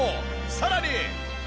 さらに。